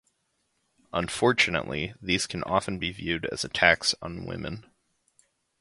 Unfortunately, these can often be viewed as attacks on women.